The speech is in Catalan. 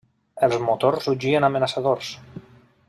Els motors rugien amenaçadors.